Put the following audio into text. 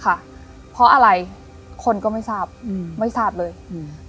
ค่ะเพราะอะไรคนก็ไม่ทราบอืมไม่ทราบเลยอืม